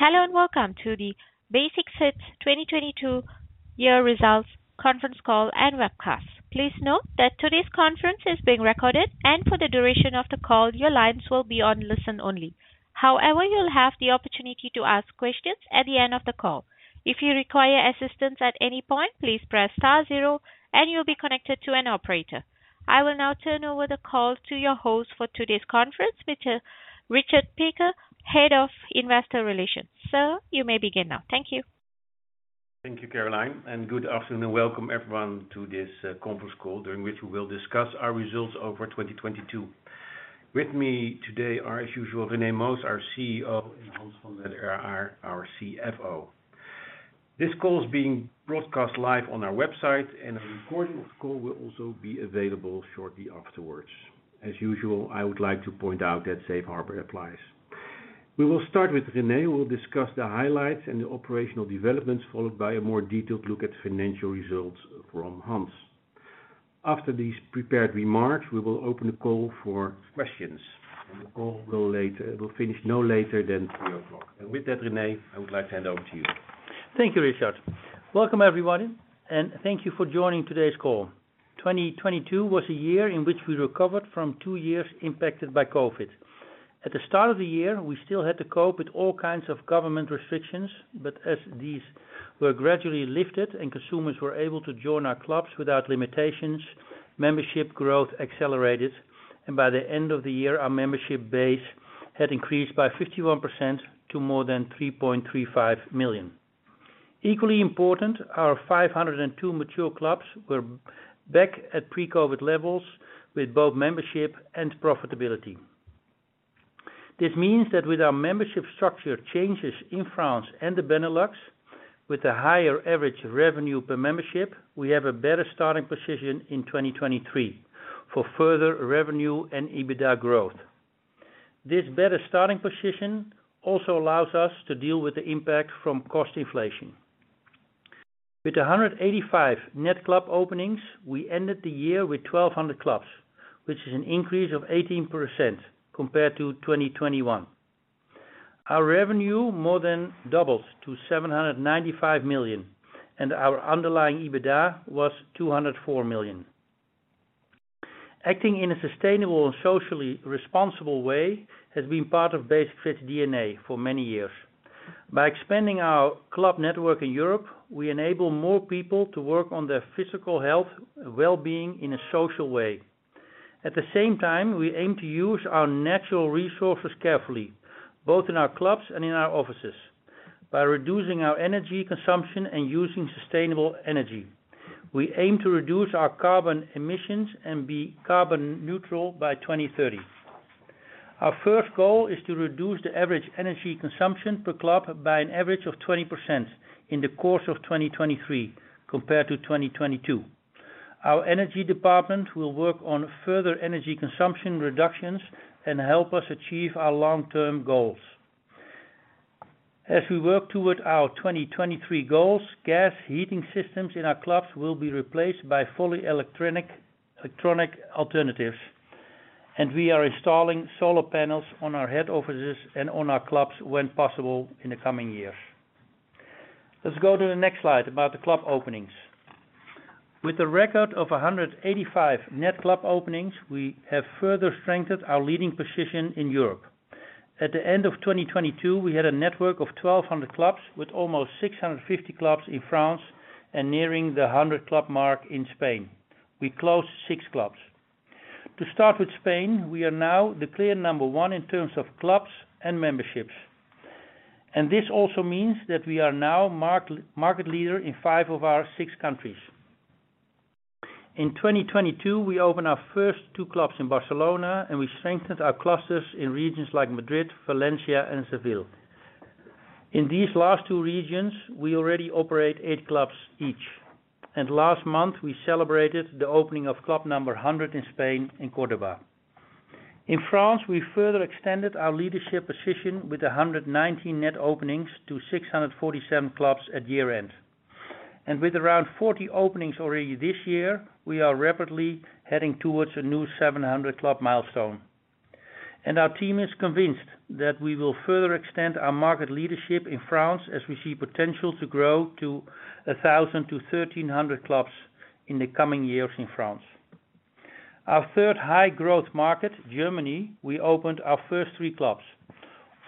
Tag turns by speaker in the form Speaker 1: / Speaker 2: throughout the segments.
Speaker 1: Hello and welcome to the Basic-Fit 2022 Year Results Conference Call and webcast. Please note that today's conference is being recorded and for the duration of the call, your lines will be on listen only. However, you'll have the opportunity to ask questions at the end of the call. If you require assistance at any point, please press star zero and you'll be connected to an operator. I will now turn over the call to your host for today's conference, which is Richard Piekaar, Head of Investor Relations. Sir, you may begin now. Thank you.
Speaker 2: Thank you, Caroline. Good afternoon. Welcome everyone to this conference call during which we will discuss our results over 2022. With me today are, as usual, René Moos, our CEO, and Hans van der Aar, our CFO. This call is being broadcast live on our website and a recording of the call will also be available shortly afterwards. As usual, I would like to point out that Safe Harbor applies. We will start with René, who will discuss the highlights and the operational developments, followed by a more detailed look at financial results from Hans. After these prepared remarks, we will open the call for questions and the call will finish no later than 3:00 P.M. With that, René, I would like to hand over to you.
Speaker 3: Thank you, Richard. Welcome everybody and thank you for joining today's call. 2022 was a year in which we recovered from two years impacted by COVID-19. At the start of the year, we still had to cope with all kinds of government restrictions, as these were gradually lifted and consumers were able to join our clubs without limitations, membership growth accelerated. By the end of the year, our membership base had increased by 51% to more than 3.35 million. Equally important, our 502 mature clubs were back at pre-COVID-19 levels with both membership and profitability. This means that with our membership structure changes in France and the Benelux, with a higher average revenue per membership, we have a better starting position in 2023 for further revenue and EBITDA growth. This better starting position also allows us to deal with the impact from cost inflation. With 185 net club openings, we ended the year with 1,200 clubs, which is an increase of 18% compared to 2021. Our revenue more than doubled to 795 million, our underlying EBITDA was 204 million. Acting in a sustainable and socially responsible way has been part of Basic-Fit DNA for many years. By expanding our club network in Europe, we enable more people to work on their physical health and wellbeing in a social way. At the same time, we aim to use our natural resources carefully, both in our clubs and in our offices, by reducing our energy consumption and using sustainable energy. We aim to reduce our carbon emissions and be carbon neutral by 2030. Our first goal is to reduce the average energy consumption per club by an average of 20% in the course of 2023 compared to 2022. Our energy department will work on further energy consumption reductions and help us achieve our long-term goals. As we work toward our 2023 goals, gas heating systems in our clubs will be replaced by fully electronic alternatives. We are installing solar panels on our head offices and on our clubs when possible in the coming years. Let's go to the next slide about the club openings. With a record of 185 net club openings, we have further strengthened our leading position in Europe. At the end of 2022, we had a network of 1,200 clubs with almost 650 clubs in France and nearing the 100 club mark in Spain. We closed six clubs. To start with Spain, we are now the clear number one in terms of clubs and memberships. This also means that we are now market leader in five of our six countries. In 2022, we opened our first two clubs in Barcelona, we strengthened our clusters in regions like Madrid, Valencia and Seville. In these last two regions, we already operate eight clubs each. Last month we celebrated the opening of club number 100 in Spain in Córdoba. In France, we further extended our leadership position with 119 net openings to 647 clubs at year-end. With around 40 openings already this year, we are rapidly heading towards a new 700 club milestone. Our team is convinced that we will further extend our market leadership in France as we see potential to grow to 1,000-1,300 clubs in the coming years in France. Our third high-growth market, Germany, we opened our first three clubs.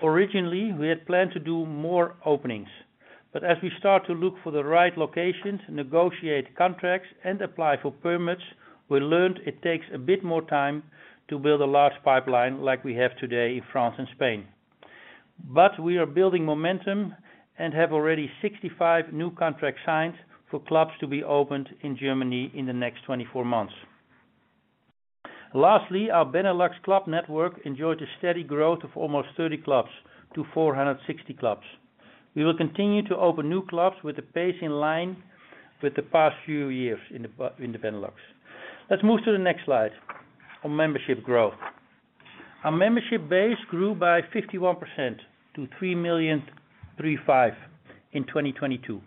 Speaker 3: Originally, we had planned to do more openings, but as we start to look for the right locations, negotiate contracts and apply for permits, we learned it takes a bit more time to build a large pipeline like we have today in France and Spain. We are building momentum and have already 65 new contracts signed for clubs to be opened in Germany in the next 24 months. Lastly, our Benelux club network enjoyed a steady growth of almost 30 clubs to 460 clubs. We will continue to open new clubs with the pace in line with the past few years in the Benelux. Let's move to the next slide on membership growth. Our membership base grew by 51% to 3,000,035. In 2022.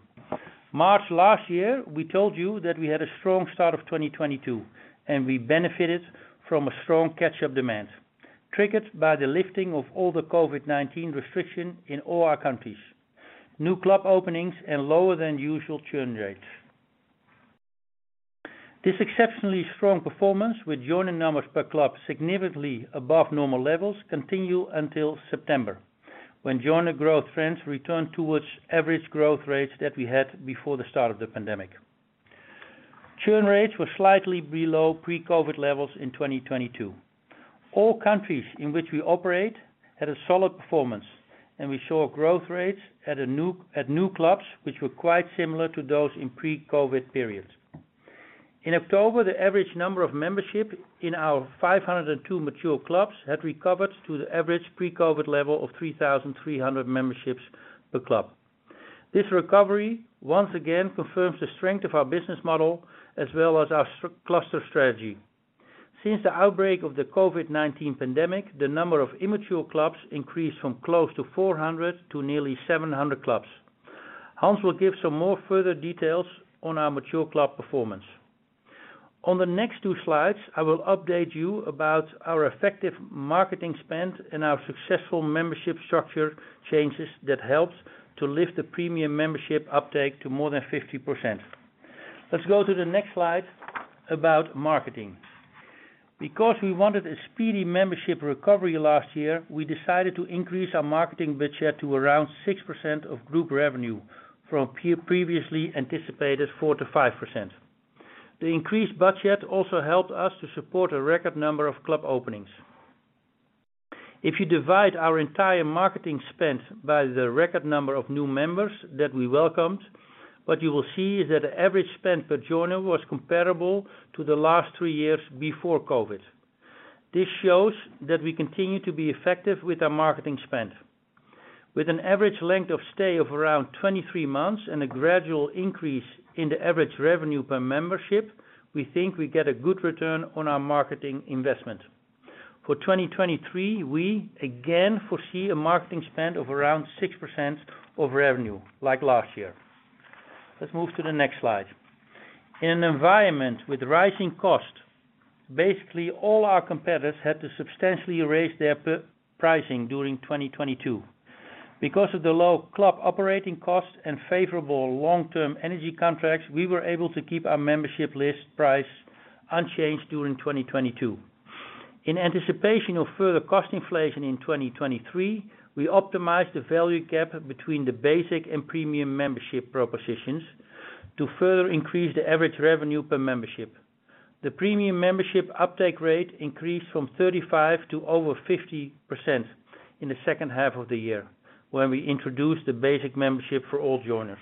Speaker 3: March last year, we told you that we had a strong start of 2022, and we benefited from a strong catch-up demand triggered by the lifting of all the COVID-19 restriction in all our countries, new club openings and lower than usual churn rates. This exceptionally strong performance with joining numbers per club significantly above normal levels continued until September, when joiner growth trends returned towards average growth rates that we had before the start of the pandemic. Churn rates were slightly below pre-COVID levels in 2022. All countries in which we operate had a solid performance, and we saw growth rates at new clubs which were quite similar to those in pre-COVID periods. In October, the average number of membership in our 502 mature clubs had recovered to the average pre-COVID level of 3,300 memberships per club. This recovery once again confirms the strength of our business model as well as our cluster strategy. Since the outbreak of the COVID-19 pandemic, the number of immature clubs increased from close to 400 to nearly 700 clubs. Hans will give some more further details on our mature club performance. On the next two slides, I will update you about our effective marketing spend and our successful membership structure changes that helped to lift the Premium membership uptake to more than 50%. Let's go to the next slide about marketing. We wanted a speedy membership recovery last year, we decided to increase our marketing budget to around 6% of group revenue from previously anticipated 4%-5%. The increased budget also helped us to support a record number of club openings. If you divide our entire marketing spend by the record number of new members that we welcomed, what you will see is that the average spend per joiner was comparable to the last three years before COVID. This shows that we continue to be effective with our marketing spend. With an average length of stay of around 23 months and a gradual increase in the average revenue per membership, we think we get a good return on our marketing investment. For 2023, we again foresee a marketing spend of around 6% of revenue like last year. Let's move to the next slide. In an environment with rising costs, basically all our competitors had to substantially raise their pricing during 2022. Because of the low club operating costs and favorable long-term energy contracts, we were able to keep our membership list price unchanged during 2022. In anticipation of further cost inflation in 2023, we optimized the value gap between the Basic and Premium membership propositions to further increase the average revenue per membership. The Premium membership uptake rate increased from 35 to over 50% in the second half of the year, when we introduced the Basic Membership for all joiners.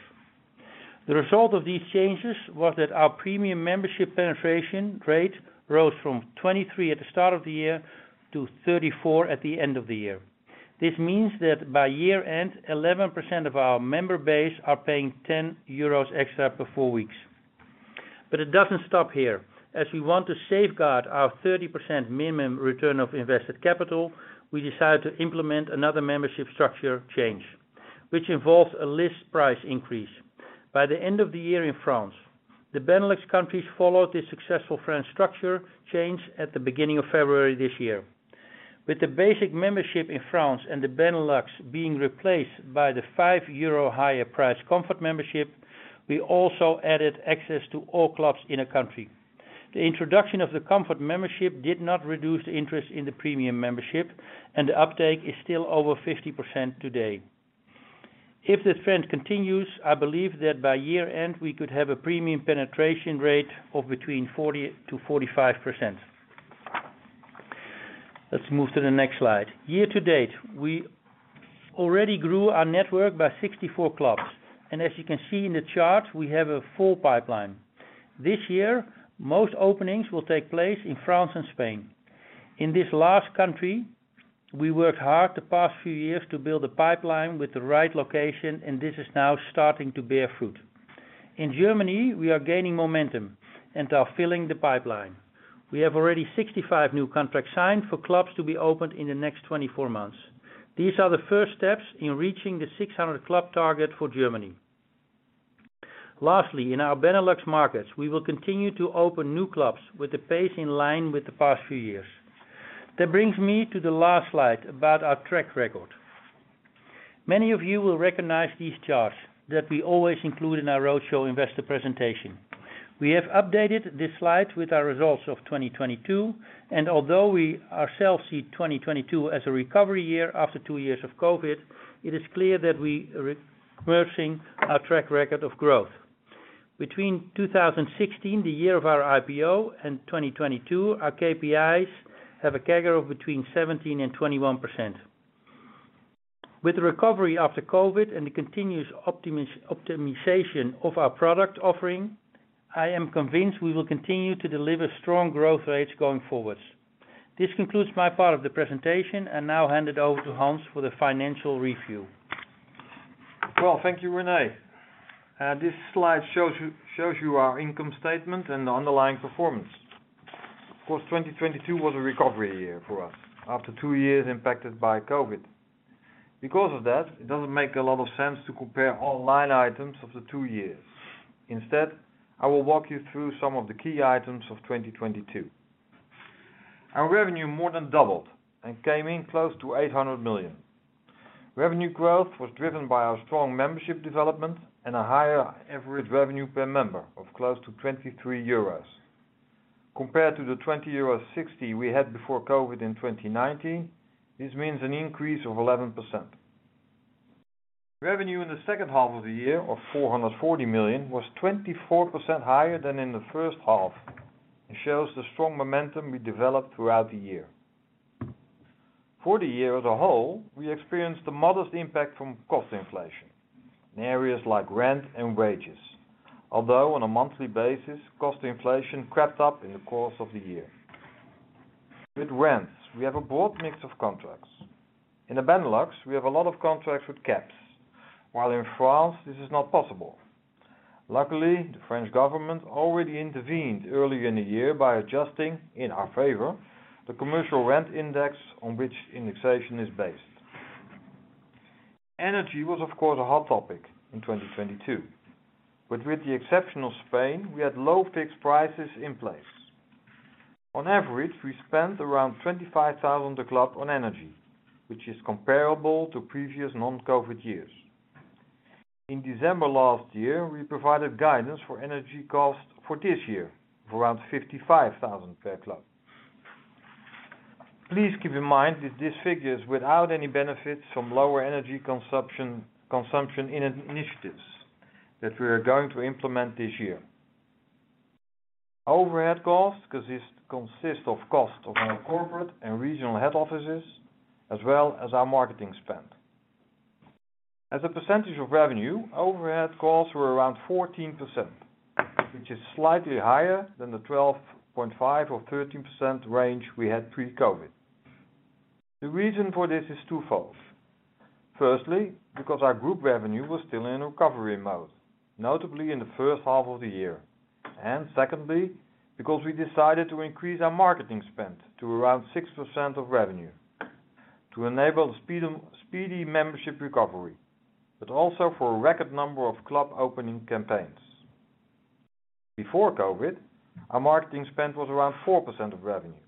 Speaker 3: The result of these changes was that our Premium membership penetration rate rose from 23 at the start of the year to 34 at the end of the year. This means that by year-end, 11% of our member base are paying 10 euros extra per four weeks. It doesn't stop here. As we want to safeguard our 30% minimum ROIC, we decided to implement another membership structure change, which involves a list price increase. By the end of the year in France, the Benelux countries followed the successful French structure change at the beginning of February this year. With the Basic Membership in France and the Benelux being replaced by the 5 euro higher price Comfort membership, we also added access to all clubs in a country. The introduction of the Comfort membership did not reduce the interest in the Premium membership and the uptake is still over 50% today. If this trend continues, I believe that by year-end, we could have a Premium penetration rate of between 40%-45%. Let's move to the next slide. Year to date, we already grew our network by 64 clubs, and as you can see in the chart, we have a full pipeline. This year, most openings will take place in France and Spain. In this last country, we worked hard the past few years to build a pipeline with the right location, and this is now starting to bear fruit. In Germany, we are gaining momentum and are filling the pipeline. We have already 65 new contracts signed for clubs to be opened in the next 24 months. These are the first steps in reaching the 600 club target for Germany. In our Benelux markets, we will continue to open new clubs with the pace in line with the past few years. That brings me to the last slide about our track record. Many of you will recognize these charts that we always include in our roadshow investor presentation. We have updated this slide with our results of 2022, and although we ourselves see 2022 as a recovery year after two years of COVID, it is clear that we re immersing our track record of growth. Between 2016, the year of our IPO, and 2022, our KPIs have a CAGR of between 17% and 21%. With the recovery after COVID and the continuous optimization of our product offering, I am convinced we will continue to deliver strong growth rates going forward. This concludes my part of the presentation and now hand it over to Hans for the financial review.
Speaker 4: Well, thank you, René. This slide shows you our income statement and the underlying performance. Of course, 2022 was a recovery year for us after two years impacted by COVID. Because of that, it doesn't make a lot of sense to compare all line items of the two years. Instead, I will walk you through some of the key items of 2022. Our revenue more than doubled and came in close to 800 million. Revenue growth was driven by our strong membership development and a higher average revenue per member of close to 23 euros. Compared to the 20.60 euros we had before COVID in 2019, this means an increase of 11%. Revenue in the second half of the year of 440 million was 24% higher than in the first half, shows the strong momentum we developed throughout the year. For the year as a whole, we experienced the modest impact from cost inflation in areas like rent and wages. On a monthly basis, cost inflation crept up in the course of the year. With rents, we have a broad mix of contracts. In the Benelux, we have a lot of contracts with caps, while in France this is not possible. Luckily, the French government already intervened earlier in the year by adjusting, in our favor, the commercial rent index on which indexation is based. Energy was, of course, a hot topic in 2022. With the exception of Spain, we had low fixed prices in place. On average, we spent around 25,000 a club on energy, which is comparable to previous non-COVID years. In December last year, we provided guidance for energy costs for this year of around 55,000 per club. Please keep in mind that this figure is without any benefits from lower energy consumption in initiatives that we are going to implement this year. Overhead costs consist of cost of our corporate and regional head offices, as well as our marketing spend. As a percentage of revenue, overhead costs were around 14%, which is slightly higher than the 12.5% or 13% range we had pre-COVID. The reason for this is twofold. Firstly, because our group revenue was still in recovery mode, notably in the first half of the year. Secondly, because we decided to increase our marketing spend to around 6% of revenue to enable the speedy membership recovery, but also for a record number of club opening campaigns. Before COVID, our marketing spend was around 4% of revenue.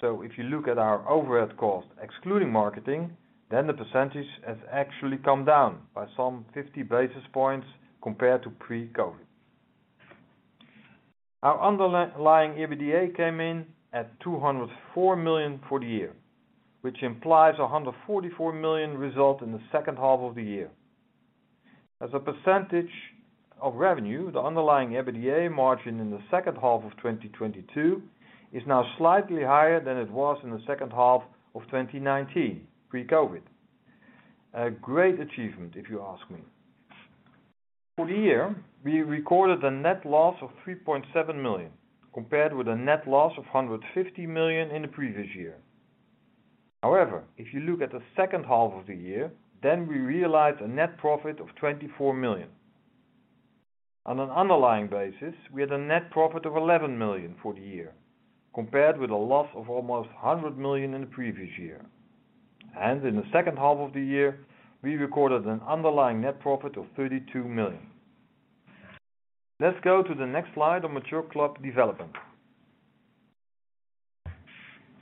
Speaker 4: If you look at our overhead cost, excluding marketing, then the percentage has actually come down by some 50 basis points compared to pre-COVID. Our underlying EBITDA came in at 204 million for the year, which implies a 144 million result in the second half of the year. As a percentage of revenue, the underlying EBITDA margin in the second half of 2022 is now slightly higher than it was in the second half of 2019, pre-COVID. A great achievement, if you ask me. For the year, we recorded a net loss of 3.7 million, compared with a net loss of 150 million in the previous year. If you look at the second half of the year, then we realized a net profit of 24 million. On an underlying basis, we had a net profit of 11 million for the year, compared with a loss of almost 100 million in the previous year. In the second half of the year, we recorded an underlying net profit of 32 million. Let's go to the next slide on mature club development.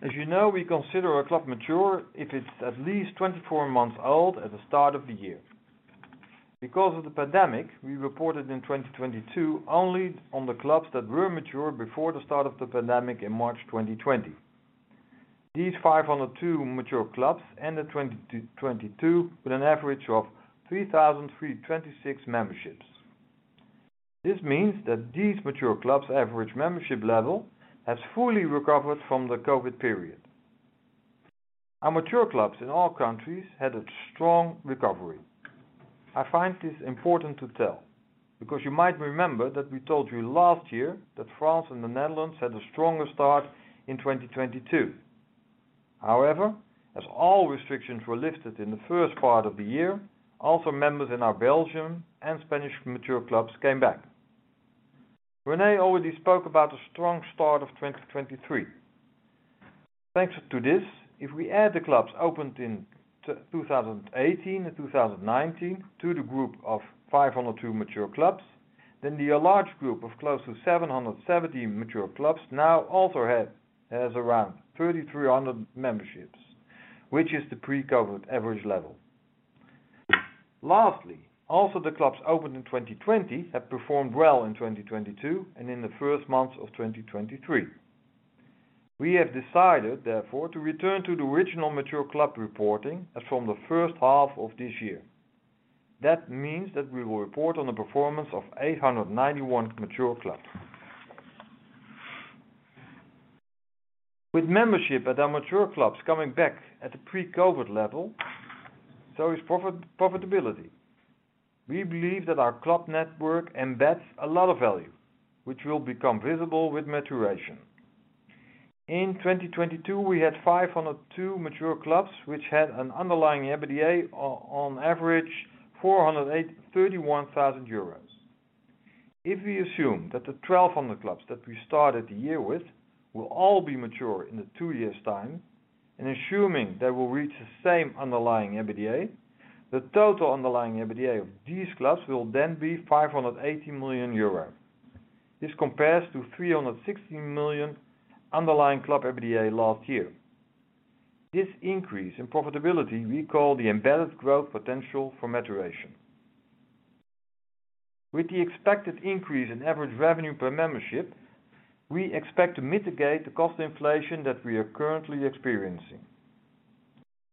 Speaker 4: As you know, we consider a club mature if it's at least 24 months old at the start of the year. Because of the pandemic, we reported in 2022 only on the clubs that were mature before the start of the pandemic in March 2020. These 502 mature clubs ended 2022 with an average of 3,326 memberships. This means that these mature clubs' average membership level has fully recovered from the COVID period. Our mature clubs in all countries had a strong recovery. I find this important to tell because you might remember that we told you last year that France and the Netherlands had a stronger start in 2022. However, as all restrictions were lifted in the first part of the year, also members in our Belgium and Spanish mature clubs came back. René already spoke about the strong start of 2023. Thanks to this, if we add the clubs opened in 2018 and 2019 to the group of 502 mature clubs, then the large group of close to 770 mature clubs now also has around 3,300 memberships, which is the pre-COVID average level. Lastly, also the clubs opened in 2020 have performed well in 2022 and in the first months of 2023. We have decided, therefore, to return to the original mature club reporting as from the first half of this year. We will report on the performance of 891 mature clubs. With membership at our mature clubs coming back at the pre-COVID level, so is profitability. We believe that our club network embeds a lot of value, which will become visible with maturation. In 2022, we had 502 mature clubs which had an underlying EBITDA, on average 431,000 euros. If we assume that the 1,200 clubs that we started the year with will all be mature in two years' time, and assuming they will reach the same underlying EBITDA, the total underlying EBITDA of these clubs will then be 580 million euro. This compares to 316 million underlying club EBITDA last year. This increase in profitability we call the embedded growth potential for maturation. With the expected increase in average revenue per membership, we expect to mitigate the cost inflation that we are currently experiencing.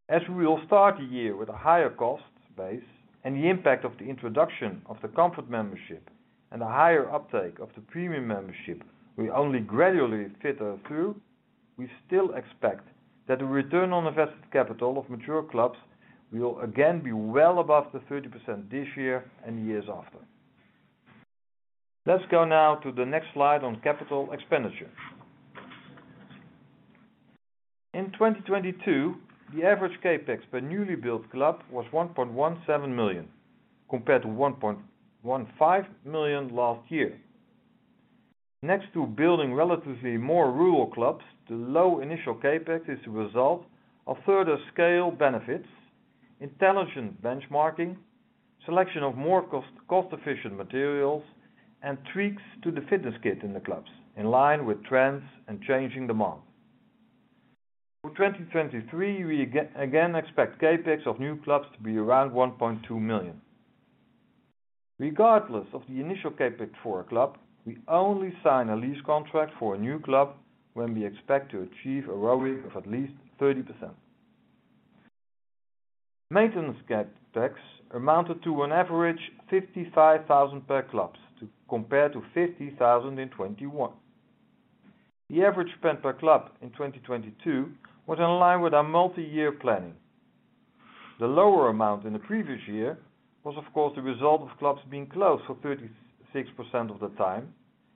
Speaker 4: As we will start the year with a higher cost base and the impact of the introduction of the Comfort membership and a higher uptake of the Premium membership will only gradually filter through, we still expect that the return on invested capital of mature clubs will again be well above 30% this year and years after. Let's go now to the next slide on capital expenditure. In 2022, the average CapEx per newly built club was 1.17 million, compared to 1.15 million last year. Next to building relatively more rural clubs, the low initial CapEx is the result of further scale benefits, intelligent benchmarking, selection of more cost-efficient materials, and tweaks to the fitness kit in the clubs, in line with trends and changing demand. For 2023, we again expect CapEx of new clubs to be around 1.2 million. Regardless of the initial CapEx for a club, we only sign a lease contract for a new club when we expect to achieve a ROIC of at least 30%. Maintenance CapEx amounted to an average 55,000 per club, to compare to 50,000 in 2021. The average spent per club in 2022 was in line with our multi-year planning. The lower amount in the previous year was of course, the result of clubs being closed for 36% of the time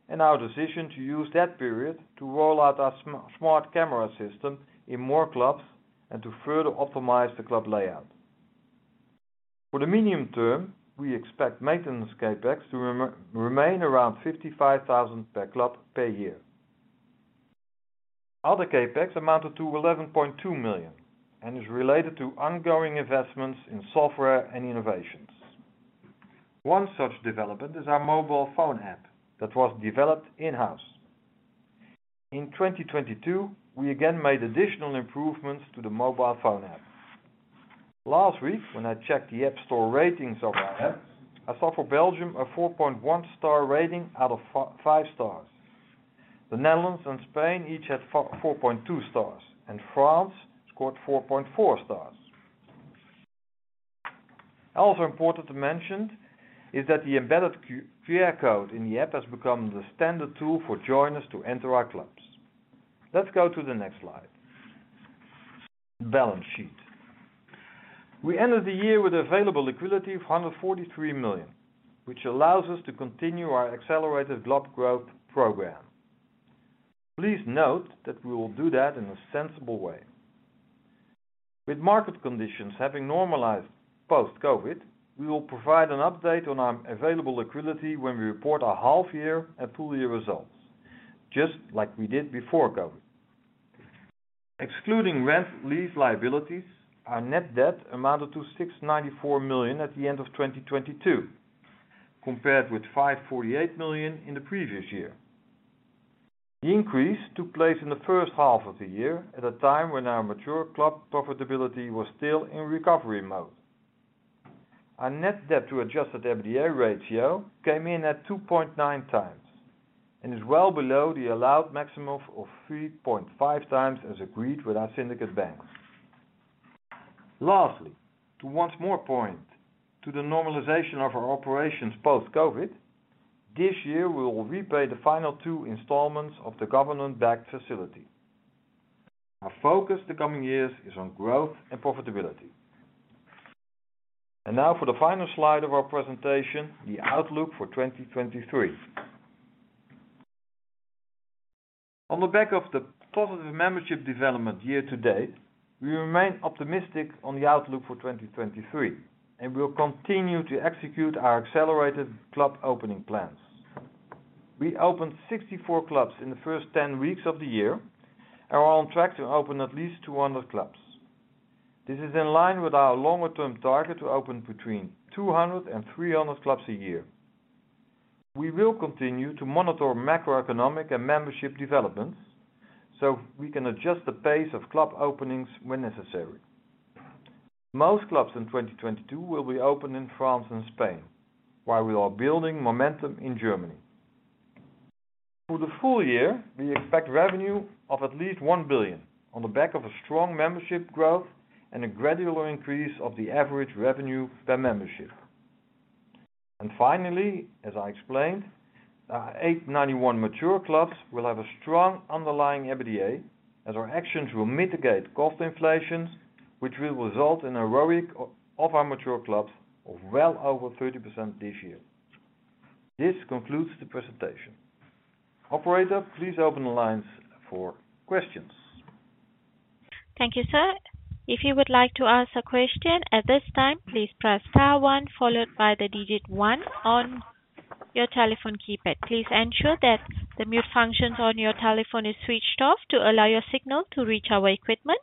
Speaker 4: and our decision to use that period to roll out our smart camera system in more clubs and to further optimize the club layout. For the medium term, we expect maintenance CapEx to remain around 55,000 per club per year. Other CapEx amounted to 11.2 million and is related to ongoing investments in software and innovations. One such development is our mobile phone app that was developed in-house. In 2022, we again made additional improvements to the mobile phone app. Last week, when I checked the App Store ratings of our app, I saw for Belgium a 4.1 star rating out of five stars. The Netherlands and Spain each had 4.2 stars, and France scored 4.4 stars. Also important to mention is that the embedded QR code in the app has become the standard tool for joiners to enter our clubs. Let's go to the next slide. Balance sheet. We ended the year with available liquidity of 143 million, which allows us to continue our accelerated club growth program. Please note that we will do that in a sensible way. With market conditions having normalized post-COVID, we will provide an update on our available liquidity when we report our half year and full year results, just like we did before COVID. Excluding rent lease liabilities, our net debt amounted to 694 million at the end of 2022, compared with 548 million in the previous year. The increase took place in the first half of the year, at a time when our mature club profitability was still in recovery mode. Our net debt to Adjusted EBITDA ratio came in at 2.9x and is well below the allowed maximum of 3.5x, as agreed with our syndicate banks. To once more point to the normalization of our operations post-COVID, this year we will repay the final two installments of the government-backed facility. Our focus the coming years is on growth and profitability. Now for the final slide of our presentation, the outlook for 2023. On the back of the positive membership development year to date, we remain optimistic on the outlook for 2023, and we will continue to execute our accelerated club opening plans. We opened 64 clubs in the first 10 weeks of the year and are on track to open at least 200 clubs. This is in line with our longer term target to open between 200 and 300 clubs a year. We will continue to monitor macroeconomic and membership developments, so we can adjust the pace of club openings when necessary. Most clubs in 2022 will be opened in France and Spain, while we are building momentum in Germany. For the full year, we expect revenue of at least 1 billion on the back of a strong membership growth and a gradual increase of the average revenue per membership. Finally, as I explained, our 891 mature clubs will have a strong underlying EBITDA, as our actions will mitigate cost inflations, which will result in a ROIC of our mature clubs of well over 30% this year. This concludes the presentation. Operator, please open the lines for questions.
Speaker 1: Thank you, sir. If you would like to ask a question at this time, please press star one followed by the digit one on your telephone keypad. Please ensure that the mute functions on your telephone is switched off to allow your signal to reach our equipment.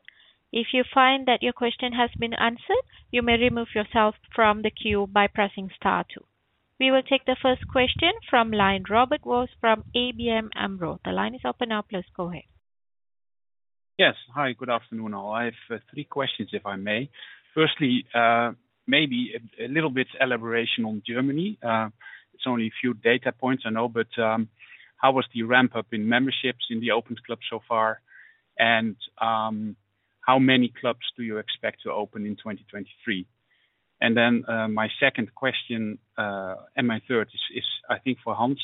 Speaker 1: If you find that your question has been answered, you may remove yourself from the queue by pressing star two. We will take the first question from line. Robert Vos from ABN Amro. The line is open now. Please go ahead.
Speaker 5: Yes. Hi. Good afternoon all. I have three questions, if I may. Firstly, maybe a little bit elaboration on Germany. It's only a few data points I know, but, how was the ramp-up in memberships in the opened club so far? How many clubs do you expect to open in 2023? Then, my second question, and my third is I think for Hans.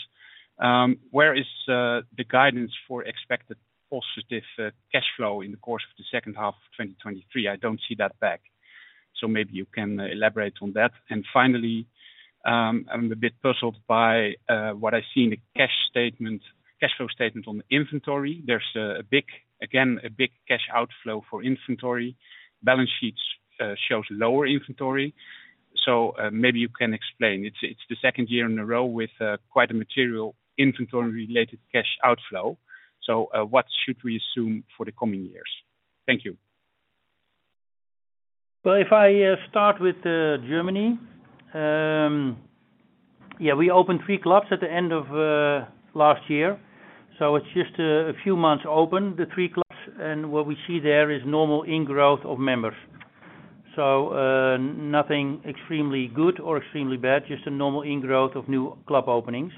Speaker 5: Where is the guidance for expected positive cash flow in the course of the second half of 2023? I don't see that back. Maybe you can elaborate on that. Finally, I'm a bit puzzled by what I see in the cash statement, cash flow statement on the inventory. There's a big, again, a big cash outflow for inventory. Balance sheets shows lower inventory. Maybe you can explain. It's the second year in a row with quite a material inventory related cash outflow. What should we assume for the coming years? Thank you.
Speaker 3: If I start with Germany, we opened three clubs at the end of last year, so it's just a few months open, the three clubs. What we see there is normal in-growth of members. Nothing extremely good or extremely bad, just a normal in-growth of new club openings.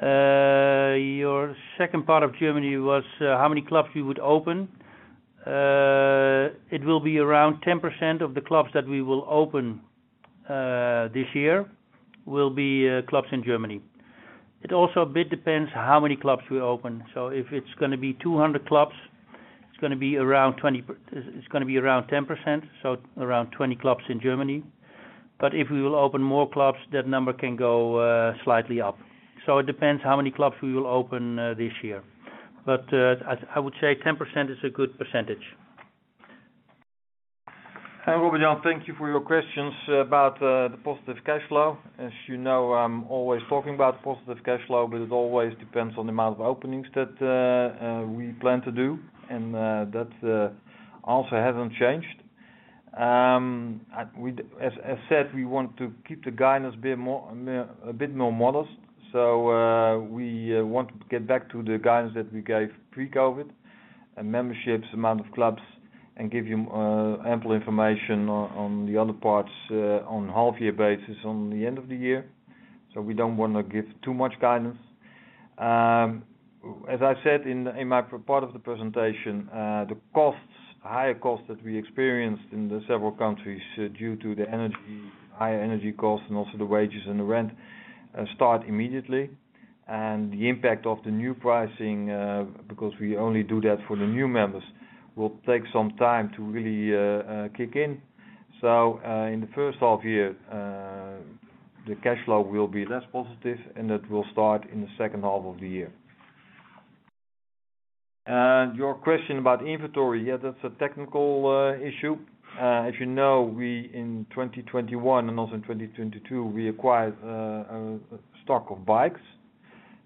Speaker 3: Your second part of Germany was how many clubs you would open. It will be around 10% of the clubs that we will open this year will be clubs in Germany. It also a bit depends how many clubs we open. If it's gonna be 200 clubs, it's gonna be around 10%, so around 20 clubs in Germany. If we will open more clubs, that number can go slightly up. It depends how many clubs we will open, this year. I would say 10% is a good percentage.
Speaker 4: Robert, thank you for your questions about the positive cash flow. As you know, I'm always talking about positive cash flow, but it always depends on the amount of openings that we plan to do and that also hasn't changed. As said, we want to keep the guidance a bit more, a bit more modest. We want to get back to the guidance that we gave pre-COVID and memberships amount of clubs and give you ample information on the other parts on half year basis on the end of the year. We don't wanna give too much guidance. As I've said in my part of the presentation, the costs, higher costs that we experienced in the several countries, due to the energy, higher energy costs and also the wages and the rent, start immediately. The impact of the new pricing, because we only do that for the new members, will take some time to really kick in. In the first half year, the cash flow will be less positive and it will start in the second half of the year. Your question about inventory, yeah, that's a technical issue. If you know, we in 2021 and also in 2022, we acquired stock of bikes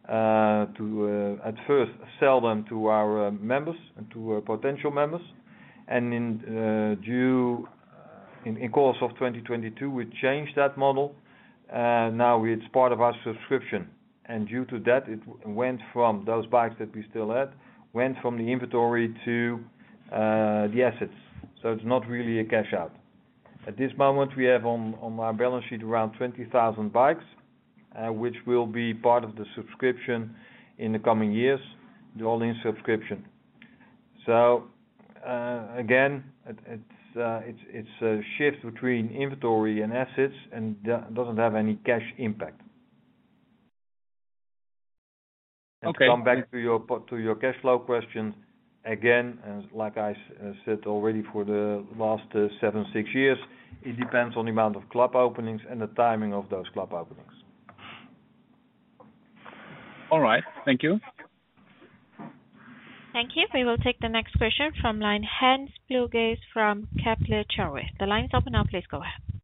Speaker 4: to at first sell them to our members and to our potential members. in course of 2022 we changed that model. Now it's part of our subscription. Due to that, it went from those bikes that we still had, went from the inventory to the assets. It's not really a cash out. At this moment we have on our balance sheet around 20,000 bikes, which will be part of the subscription in the coming years, the All-In subscription. Again, it's a shift between inventory and assets and doesn't have any cash impact.
Speaker 5: Okay.
Speaker 4: To come back to your cash flow question, again, as like I said already for the last seven, six years, it depends on the amount of club openings and the timing of those club openings.
Speaker 5: All right. Thank you.
Speaker 1: Thank you. We will take the next question from line, Hans Pluijgers from Kepler Cheuvreux. The line is open now, please go ahead.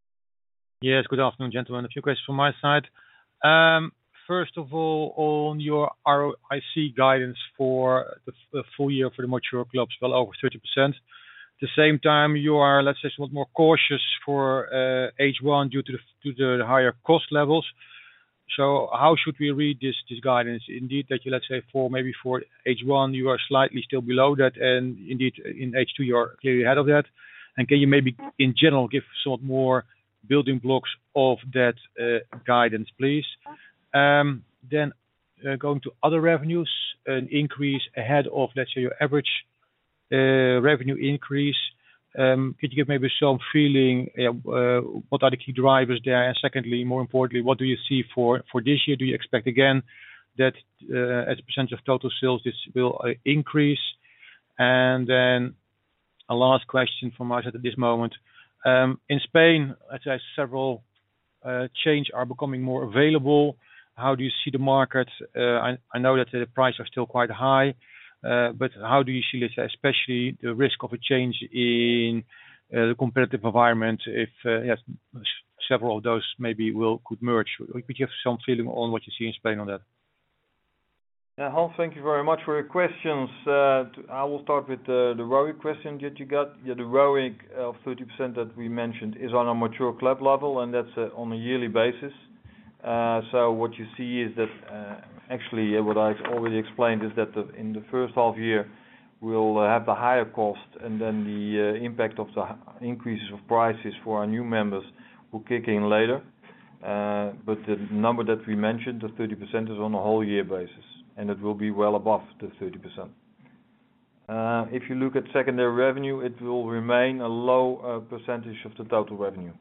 Speaker 6: Yes. Good afternoon, gentlemen. A few questions from my side. First of all, on your ROIC guidance for the full year for the mature clubs, well over 30%. At the same time you are, let's say somewhat more cautious for H1 due to the higher cost levels. How should we read this guidance indeed that you, let's say for maybe for H1 you are slightly still below that and indeed in H2 you are clearly ahead of that. Can you maybe in general give sort of more building blocks of that guidance, please? Then going to other revenues, an increase ahead of, let's say your average revenue increase. Could you give maybe some feeling what are the key drivers there? Secondly, more importantly, what do you see for this year? Do you expect again that as a percentage of total sales, this will increase? A last question from us at this moment. In Spain, I'd say several change are becoming more available. How do you see the market? I know that the price are still quite high, but how do you see, especially the risk of a change in the competitive environment if several of those maybe could merge. Would you have some feeling on what you see in Spain on that?
Speaker 4: Hans, thank you very much for your questions. I will start with the growing question that you got. The growing 30% that we mentioned is on a mature club level, and that's on a yearly basis. So what you see is that actually what I already explained is that in the first half year, we'll have the higher cost and then the impact of the increases of prices for our new members will kick in later. But the number that we mentioned, the 30%, is on a whole year basis, and it will be well above the 30%. If you look at secondary revenue, it will remain a low percentage of the total revenue.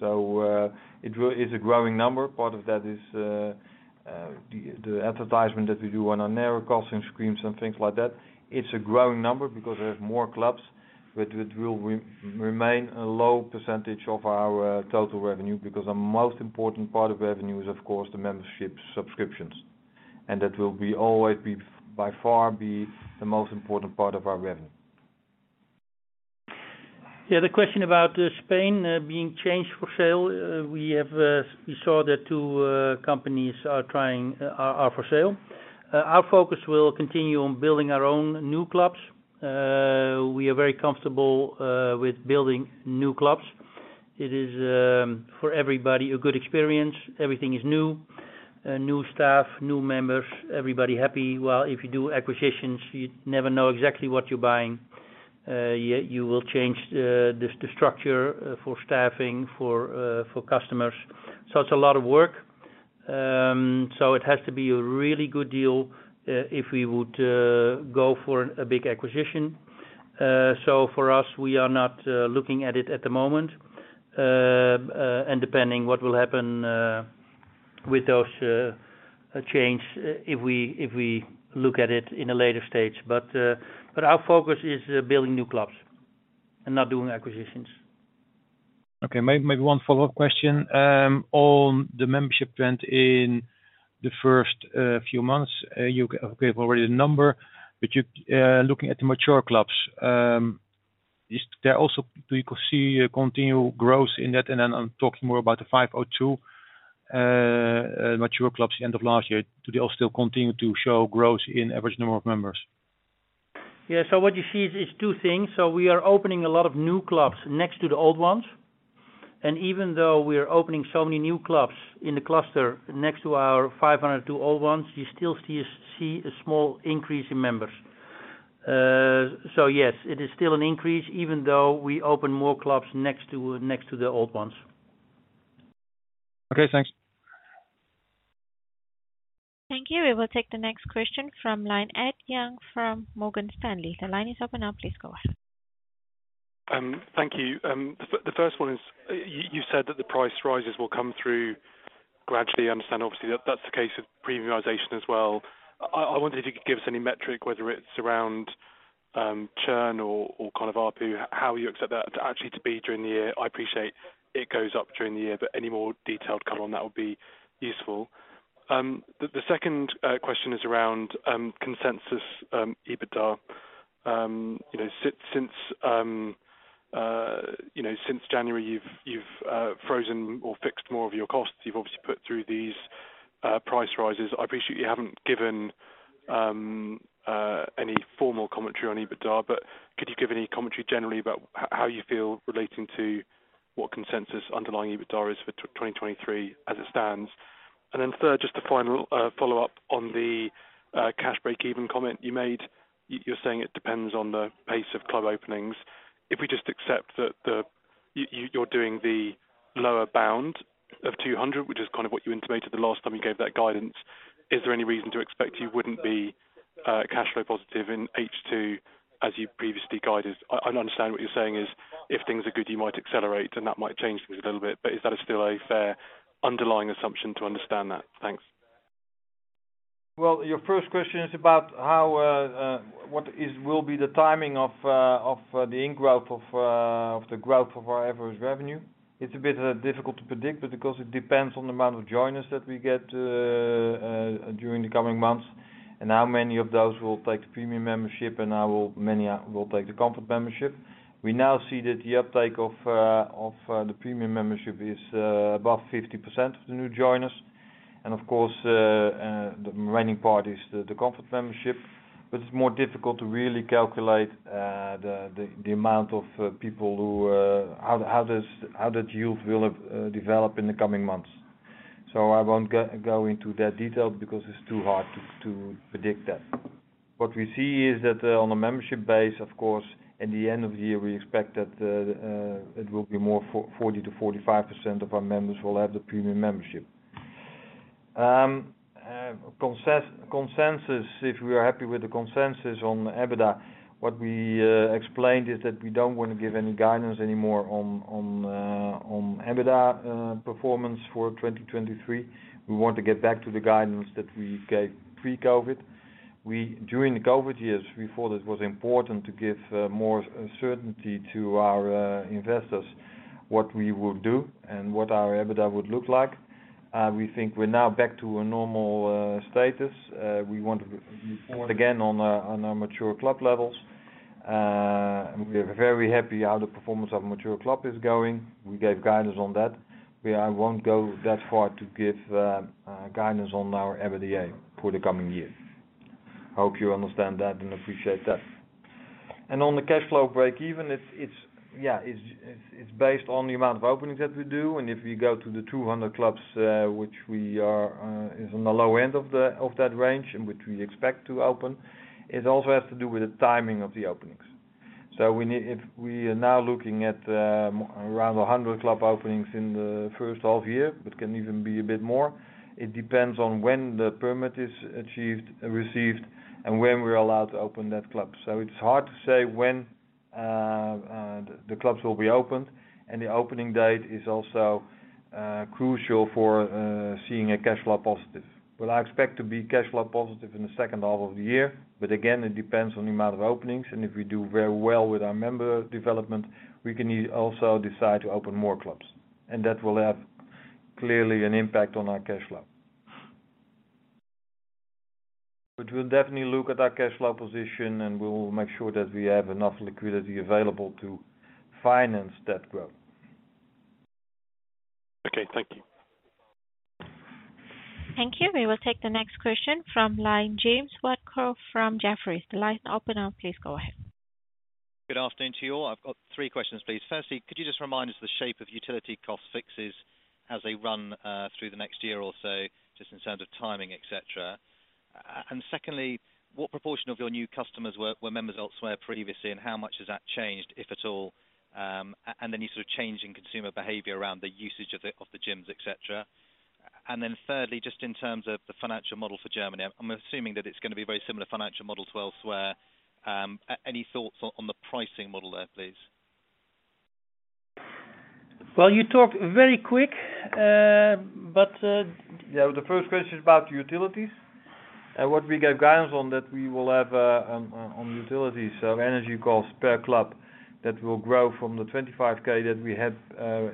Speaker 4: So, it is a growing number Part of that is the advertisement that we do on our narrowcasting screens and things like that. It's a growing number because we have more clubs, but it will remain a low percentage of our total revenue because the most important part of revenue is, of course, the membership subscriptions. That will always be by far the most important part of our revenue.
Speaker 3: The question about Spain being changed for sale, we have, we saw that two companies are for sale. Our focus will continue on building our own new clubs. We are very comfortable with building new clubs. It is for everybody a good experience. Everything is new staff, new members, everybody happy. If you do acquisitions, you never know exactly what you're buying. You will change the structure for staffing, for customers. It's a lot of work. It has to be a really good deal if we would go for a big acquisition. For us, we are not looking at it at the moment. Depending what will happen with those change, if we look at it in a later stage. Our focus is building new clubs and not doing acquisitions.
Speaker 6: Okay. Maybe one follow-up question. On the membership trend in the first few months, you gave already the number, but you, looking at the mature clubs, do you foresee a continued growth in that? Then I'm talking more about the 502 mature clubs end of last year. Do they all still continue to show growth in average number of members?
Speaker 3: Yeah. What you see is two things. We are opening a lot of new clubs next to the old ones. Even though we are opening so many new clubs in the cluster next to our 502 old ones, you still see a small increase in members. Yes, it is still an increase even though we open more clubs next to the old ones.
Speaker 6: Okay, thanks.
Speaker 1: Thank you. We will take the next question from line Ed Young from Morgan Stanley. The line is open now. Please go ahead.
Speaker 7: Thank you. The first one is you said that the price rises will come through gradually. I understand obviously that that's the case of premiumization as well. I wonder if you could give us any metric, whether it's around churn or kind of ARPU, how you expect that actually to be during the year. I appreciate it goes up during the year, but any more detailed color on that would be useful. The second question is around consensus EBITDA. You know, since, you know, since January, you've frozen or fixed more of your costs. You've obviously put through these price rises. I appreciate you haven't given any formal commentary on EBITDA, but could you give any commentary generally about how you feel relating to what consensus underlying EBITDA is for 2023 as it stands? Third, just a final follow-up on the cash break even comment you made. You're saying it depends on the pace of club openings. If we just accept that you're doing the lower bound of 200, which is kind of what you intimated the last time you gave that guidance, is there any reason to expect you wouldn't be cash flow positive in H2 as you previously guided? I understand what you're saying is if things are good, you might accelerate and that might change things a little bit. Is that still a fair underlying assumption to understand that? Thanks.
Speaker 4: Well, your first question is about how, what will be the timing of the growth of our average revenue. It's a bit difficult to predict, but because it depends on the amount of joiners that we get during the coming months and how many of those will take the Premium membership and how many will take the Comfort membership. We now see that the uptake of the Premium membership is above 50% of the new joiners. Of course, the remaining part is the Comfort membership. It's more difficult to really calculate the amount of people who, how that yield will develop in the coming months. I won't go into that detail because it's too hard to predict that. What we see is that on a membership base, of course, in the end of the year, we expect that it will be more 40%-45% of our members will have the Premium membership. Consensus, if we are happy with the consensus on the EBITDA, what we explained is that we don't want to give any guidance anymore on EBITDA performance for 2023. We want to get back to the guidance that we gave pre-COVID. We, during the COVID years, we thought it was important to give more certainty to our investors, what we will do and what our EBITDA would look like. We think we're now back to a normal status. We want to report again on our mature club levels. We're very happy how the performance of mature club is going. We gave guidance on that. I won't go that far to give guidance on our EBITDA for the coming year. Hope you understand that and appreciate that. On the cash flow breakeven, it's based on the amount of openings that we do, and if we go to the 200 clubs, which we are, is on the low end of that range, and which we expect to open. It also has to do with the timing of the openings. If we are now looking at around 100 club openings in the first half year, it can even be a bit more. It depends on when the permit is achieved, received, and when we're allowed to open that club. It's hard to say when the clubs will be opened, and the opening date is also crucial for seeing a cash flow positive. I expect to be cash flow positive in the second half of the year. Again, it depends on the amount of openings, and if we do very well with our member development, we can also decide to open more clubs. That will have clearly an impact on our cash flow. We'll definitely look at our cash flow position, and we will make sure that we have enough liquidity available to finance that growth.
Speaker 7: Okay. Thank you.
Speaker 1: Thank you. We will take the next question from line, James Wheatcroft from Jefferies. The line is open now. Please go ahead.
Speaker 8: Good afternoon to you all. I've got three questions, please. Firstly, could you just remind us the shape of utility cost fixes as they run through the next year or so, just in terms of timing, et cetera. Secondly, what proportion of your new customers were members elsewhere previously, and how much has that changed, if at all? Any sort of change in consumer behavior around the usage of the gyms, et cetera. Thirdly, just in terms of the financial model for Germany, I'm assuming that it's gonna be very similar financial models elsewhere. Any thoughts on the pricing model there, please?
Speaker 4: Well, you talked very quick. Yeah, the first question is about utilities. What we gave guidance on that we will have on utilities. Energy costs per club, that will grow from the 25,000 that we had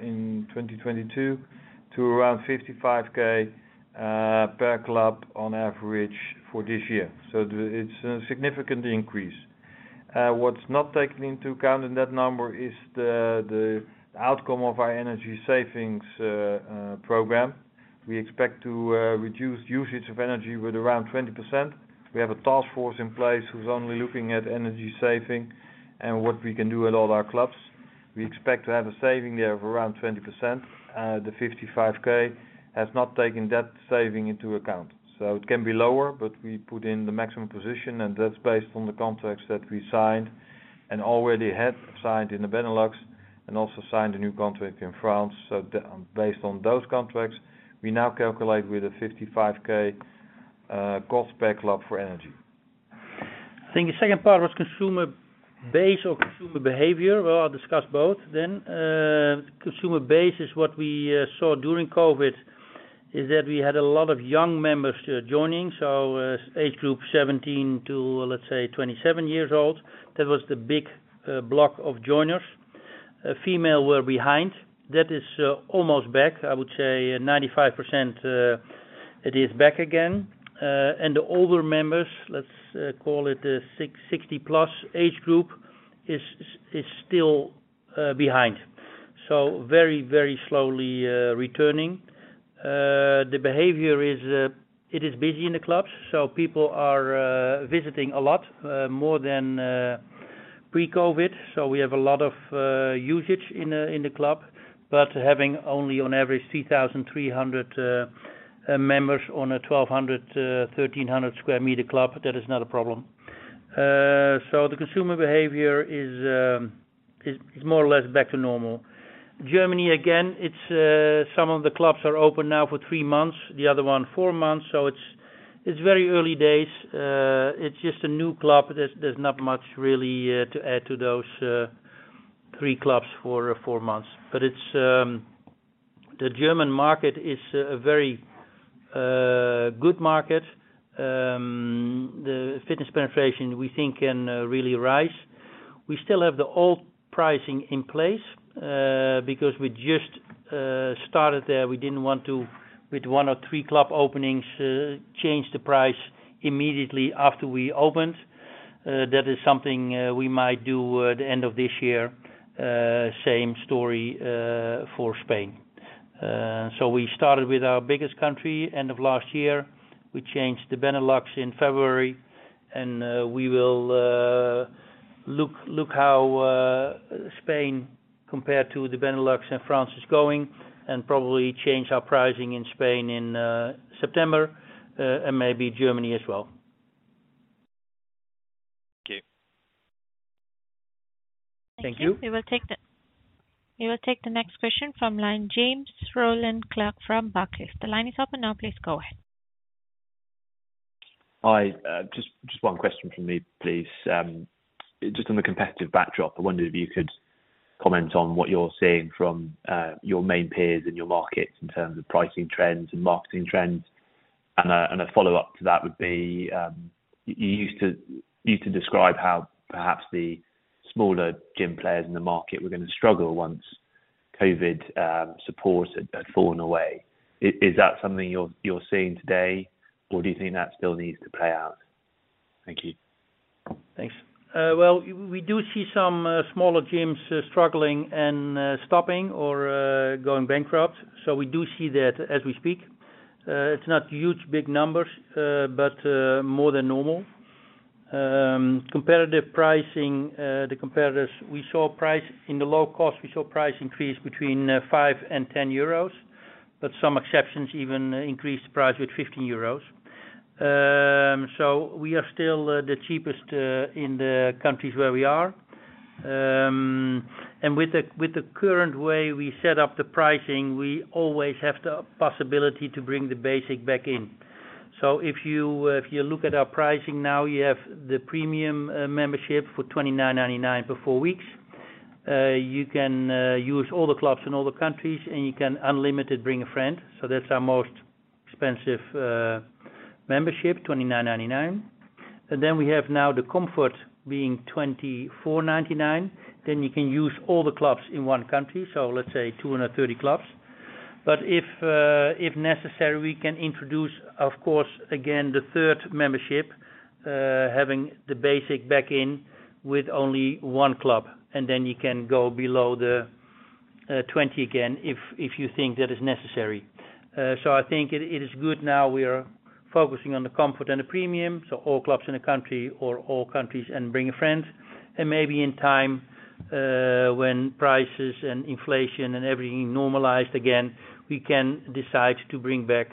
Speaker 4: in 2022 to around 55,000 per club on average for this year. It's a significant increase. What's not taken into account in that number is the outcome of our energy savings program. We expect to reduce usage of energy with around 20%. We have a task force in place who's only looking at energy saving and what we can do with all our clubs. We expect to have a saving there of around 20%. The 55,000 has not taken that saving into account. It can be lower, but we put in the maximum position, and that's based on the contracts that we signed and already had signed in the Benelux and also signed a new contract in France. Based on those contracts, we now calculate with a 55,000 cost per club for energy.
Speaker 3: I think the second part was consumer base or consumer behavior. I'll discuss both then. Consumer base is what we saw during COVID, is that we had a lot of young members joining. Age group 17 to, let's say, 27 years old. That was the big block of joiners. Female were behind. That is almost back. I would say 95%, it is back again. The older members, let's call it the 60+ age group, is still behind. Very, very slowly returning. The behavior is, it is busy in the clubs, so people are visiting a lot more than pre-COVID. We have a lot of usage in the club, but having only on average 3,300 members on a 1,200-1,300 square meter club, that is not a problem. The consumer behavior is more or less back to normal. Germany, again, it's, some of the clubs are open now for three months, the other one, four months. It's very early days. It's just a new club. There's not much really to add to those three clubs for four months. It's, the German market is a very good market. The fitness penetration, we think can really rise. We still have the old pricing in place, because we just started there. We didn't want to, with one or three club openings, change the price immediately after we opened. That is something, we might do at the end of this year. Same story, for Spain. We started with our biggest country end of last year. We changed the Benelux in February, we will, look how, Spain compared to the Benelux and France is going and probably change our pricing in Spain in, September, and maybe Germany as well.
Speaker 8: Thank you.
Speaker 4: Thank you.
Speaker 1: Thank you. We will take the next question from line, James Rowland Clark from Barclays. The line is open now. Please go ahead.
Speaker 9: Hi. Just one question from me, please. Just on the competitive backdrop, I wondered if you could comment on what you're seeing from your main peers in your markets in terms of pricing trends and marketing trends. And a follow-up to that would be, you used to describe how perhaps the smaller gym players in the market were gonna struggle once COVID support had fallen away. Is that something you're seeing today, or do you think that still needs to play out? Thank you.
Speaker 3: Thanks. We do see some smaller gyms struggling and stopping or going bankrupt. We do see that as we speak. It's not huge, big numbers, but more than normal. Comparative pricing, the competitors, in the low cost, we saw price increase between 5 and 10 euros, but some exceptions even increased the price with 15 euros. We are still the cheapest in the countries where we are. And with the current way we set up the pricing, we always have the possibility to bring the Basic back in. If you look at our pricing now, you have the Premium membership for 29.99 for four weeks. You can use all the clubs in all the countries and you can unlimited bring a friend. That's our most expensive membership, 29.99. We have now the Comfort being 24.99. You can use all the clubs in one country, so let's say 230 clubs. If necessary, we can introduce, of course, again, the third membership, having the Basic back in with only one club, and then you can go below the 20 again if you think that is necessary. I think it is good now we are focusing on the Comfort and the Premium, so all clubs in the country or all countries and bring your friends. Maybe in time, when prices and inflation and everything normalized again, we can decide to bring back,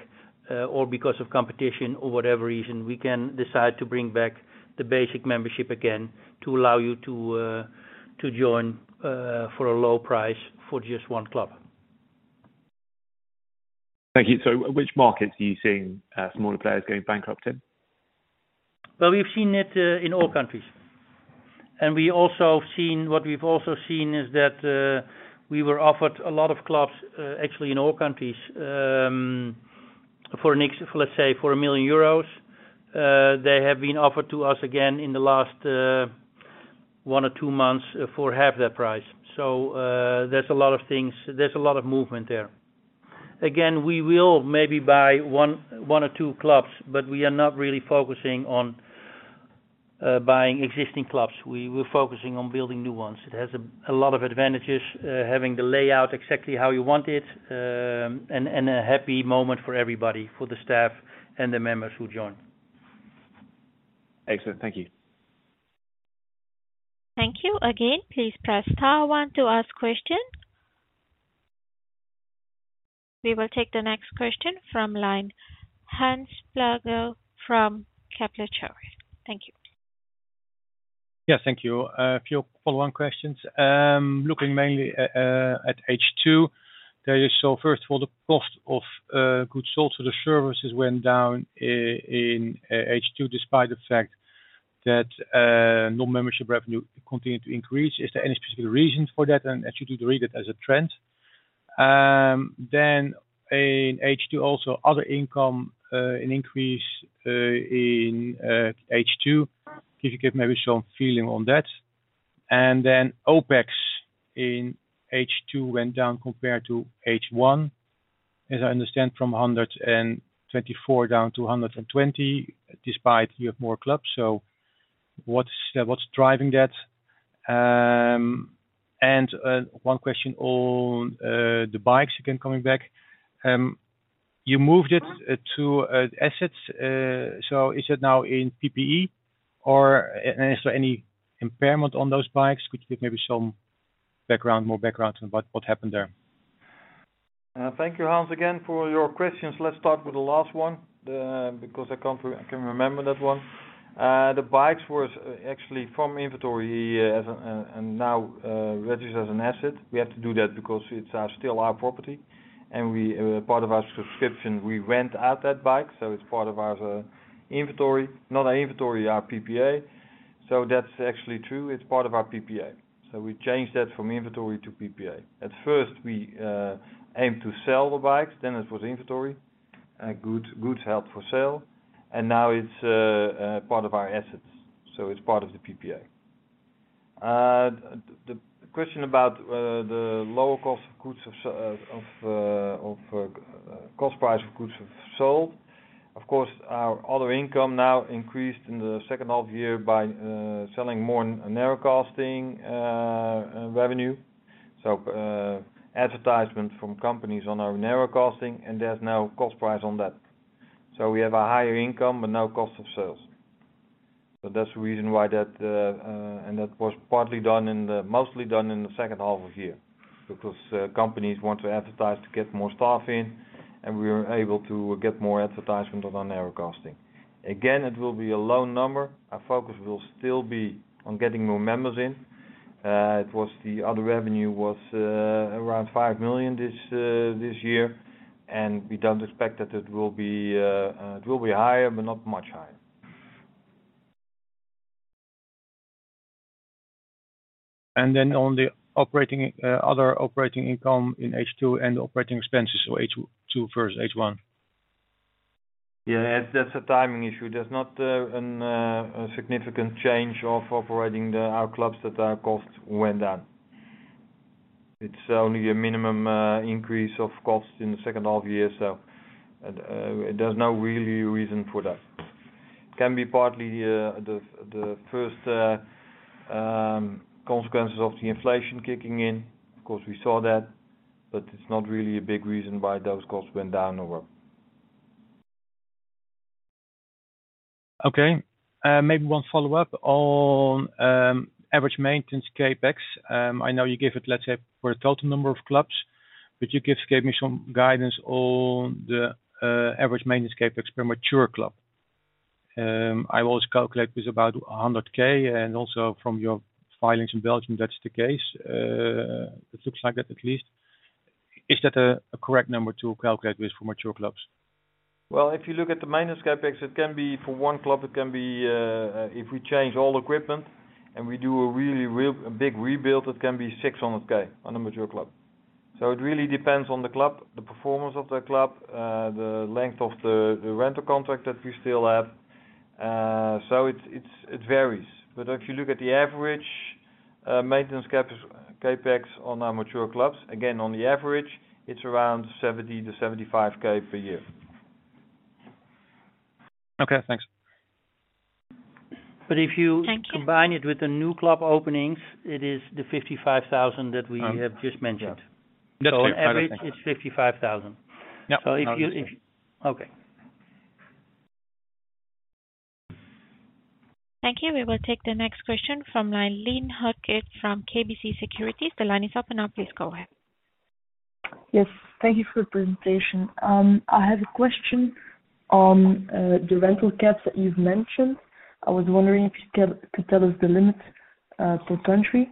Speaker 3: or because of competition or whatever reason, we can decide to bring back the Basic Membership again to allow you to join for a low price for just one club.
Speaker 9: Thank you. Which markets are you seeing, smaller players going bankrupt in?
Speaker 3: We've seen it in all countries. What we've also seen is that we were offered a lot of clubs, actually in all countries, for next, let's say, for 1 million euros, they have been offered to us again in the last one or two months for half that price. There's a lot of things. There's a lot of movement there. Again, we will maybe buy one or two clubs, but we are not really focusing on buying existing clubs. We're focusing on building new ones. It has a lot of advantages, having the layout exactly how you want it, and a happy moment for everybody, for the staff and the members who join.
Speaker 9: Excellent. Thank you.
Speaker 1: Thank you. Again, please press star one to ask questions. We will take the next question from line, Hans Pluijgers from Kepler Cheuvreux. Thank you.
Speaker 6: Yeah, thank you. A few follow-on questions. Looking mainly at H2, there you saw, first of all, the cost of goods sold to the services went down in H2, despite the fact that non-membership revenue continued to increase. Is there any specific reasons for that? Actually, do you read it as a trend? In H2, also other income, an increase in H2. Can you give maybe some feeling on that? OpEx in H2 went down compared to H1, as I understand, from 124 down to 120, despite you have more clubs. What's driving that? One question on the bikes, again, coming back. You moved it to assets. Is it now in PPE or is there any impairment on those bikes? Could you give maybe some background, more background on what happened there?
Speaker 3: Thank you, Hans, again, for your questions. Let's start with the last one because I can remember that one. The bikes was actually from inventory and now registered as an asset. We have to do that because it's still our property and we part of our subscription, we rent out that bike, so it's part of our inventory. Not our inventory, our PPA. That's actually true. It's part of our PPA. We changed that from inventory to PPA. At first, we aimed to sell the bikes, then it was inventory goods held for sale, now it's part of our assets, it's part of the PPA. The question about the lower cost of goods cost price of goods sold. Our other income now increased in the second half year by selling more narrowcasting revenue. Advertisement from companies on our narrowcasting, and there's no cost price on that. We have a higher income, but no cost of sales. That's the reason why that, and that was mostly done in the second half of year. Companies want to advertise to get more staff in, and we are able to get more advertisement on our narrowcasting. It will be a loan number. Our focus will still be on getting more members in. The other revenue was around 5 million this year. We don't expect that it will be higher, but not much higher.
Speaker 6: On the operating, other operating income in H2 and operating expenses. H2 versus H1.
Speaker 4: Yeah, that's a timing issue. There's not a significant change of operating our clubs that our costs went down. It's only a minimum increase of cost in the second half year. There's no really reason for that. Can be partly the first consequences of the inflation kicking in. Of course, we saw that, it's not really a big reason why those costs went down or up.
Speaker 6: Okay. Maybe one follow-up on average maintenance CapEx. I know you gave it, let's say, for a total number of clubs, but you gave me some guidance on the average maintenance CapEx per mature club. I've always calculate with about 100,000 and also from your filings in Belgium, that's the case. It looks like that at least. Is that a correct number to calculate with for mature clubs?
Speaker 4: If you look at the maintenance CapEx, it can be for one club, it can be, if we change all equipment and we do a really real big rebuild, it can be 600,000 on a mature club. It really depends on the club, the performance of the club, the length of the rental contract that we still have. It varies. If you look at the average, maintenance CapEx on our mature clubs, again, on the average, it's around 70,000-75,000 per year.
Speaker 6: Okay, thanks.
Speaker 3: If you-
Speaker 1: Thank you.
Speaker 3: Combine it with the new club openings, it is the 55,000 that we have just mentioned.
Speaker 6: That's clear.
Speaker 3: On average it's 55,000.
Speaker 6: Yeah.
Speaker 3: If you... Okay.
Speaker 1: Thank you. We will take the next question from line, Lynn Hautekeete from KBC Securities. The line is open now, please go ahead.
Speaker 10: Yes. Thank you for the presentation. I have a question on the rental caps that you've mentioned. I was wondering if you could tell us the limit per country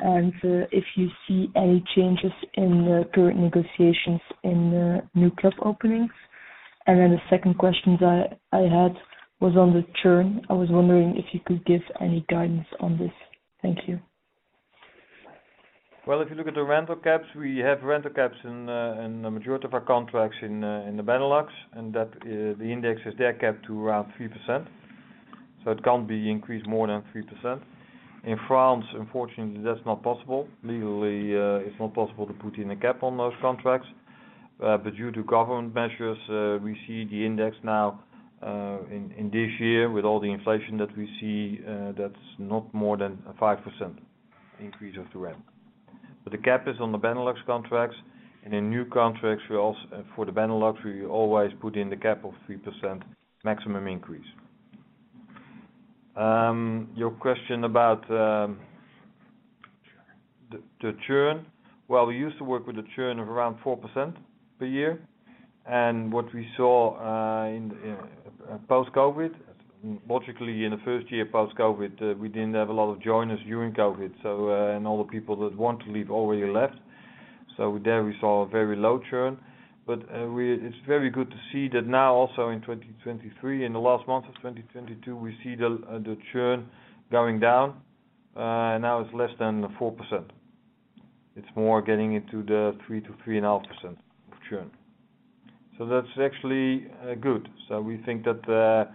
Speaker 10: and if you see any changes in the current negotiations in the new club openings. The second question that I had was on the churn. I was wondering if you could give any guidance on this. Thank you.
Speaker 4: Well, if you look at the rental caps, we have rental caps in the majority of our contracts in the Benelux, and that the index is there capped to around 3%, so it can't be increased more than 3%. In France, unfortunately, that's not possible. Legally, it's not possible to put in a cap on those contracts. Due to government measures, we see the index now in this year with all the inflation that we see, that's not more than a 5% increase of the rent. The cap is on the Benelux contracts. In new contracts, we for the Benelux, we always put in the cap of 3% maximum increase. Your question about the churn. Well, we used to work with a churn of around 4% per year. What we saw in post-COVID, logically in the first year post-COVID, we didn't have a lot of joiners during COVID. All the people that want to leave already left. There we saw a very low churn. It's very good to see that now also in 2023, in the last months of 2022, we see the churn going down. Now it's less than 4%. It's more getting into the 3%-3.5% of churn. That's actually good. We think that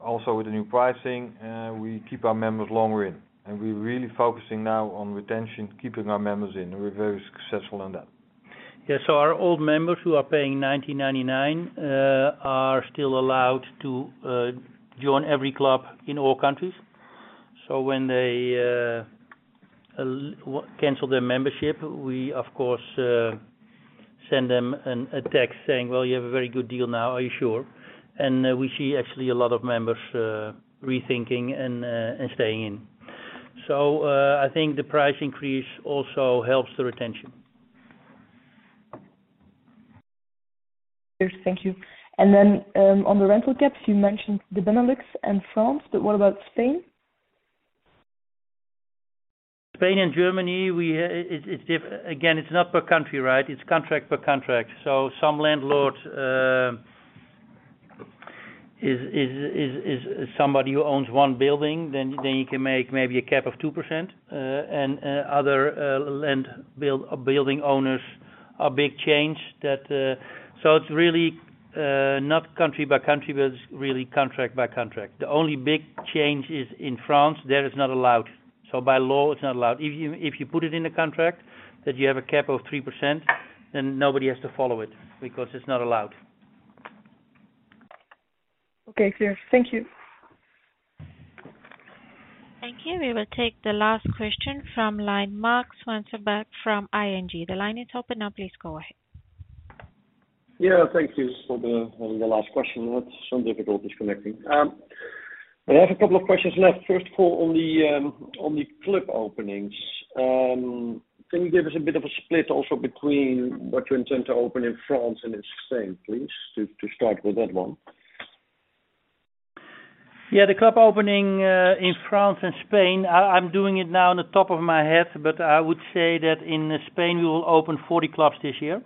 Speaker 4: also with the new pricing, we keep our members longer in, and we're really focusing now on retention, keeping our members in. We're very successful in that.
Speaker 3: Yeah. Our old members who are paying 90.99 are still allowed to join every club in all countries. When they cancel their membership, we of course send them a text saying, "Well, you have a very good deal now. Are you sure?" We see actually a lot of members rethinking and staying in. I think the price increase also helps the retention.
Speaker 10: Thank you. On the rental caps, you mentioned the Benelux and France. What about Spain?
Speaker 3: Spain and Germany, again, it's not per country, right? It's contract per contract. Some landlords is somebody who owns one building, then he can make maybe a cap of 2%, and other building owners a big change that. It's really not country by country, but it's really contract by contract. The only big change is in France. There, it's not allowed. By law, it's not allowed. If you put it in a contract that you have a cap of 3%, then nobody has to follow it because it's not allowed.
Speaker 10: Okay. Sure. Thank you.
Speaker 1: Thank you. We will take the last question from line, Marc Zwartsenburg from ING. The line is open now, please go ahead.
Speaker 11: Thank you for the last question. I had some difficulties connecting. I have a couple of questions left. First of all, on the club openings, can you give us a bit of a split also between what you intend to open in France and in Spain, please? To start with that one.
Speaker 3: Yeah. The club opening in France and Spain, I'm doing it now on the top of my head, but I would say that in Spain, we will open 40 clubs this year.